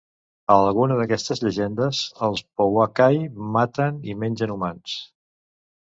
A alguna d'aquestes llegendes, els pouakai maten i mengen humans.